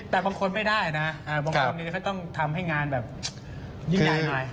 แต่บางคนไม่ได้นะบางคนก็ต้องทำให้งานแบบยิ่งใหญ่หน่อย